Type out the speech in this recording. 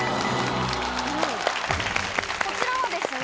こちらはですね